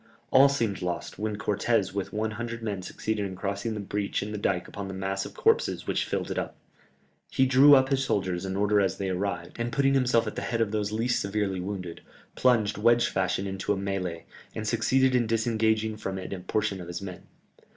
All seemed lost, when Cortès with one hundred men succeeded in crossing the breach in the dike upon the mass of corpses which filled it up. He drew up his soldiers in order as they arrived, and putting himself at the head of those least severely wounded, plunged wedge fashion into the mêlée, and succeeded in disengaging from it a portion of his men.